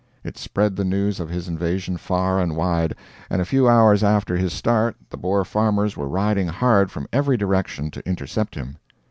It spread the news of his invasion far and wide, and a few hours after his start the Boer farmers were riding hard from every direction to intercept him.